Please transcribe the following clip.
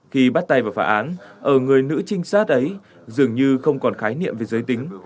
khi bắt tay vào phá án ở người nữ trinh sát ấy dường như không còn khái niệm về giới tính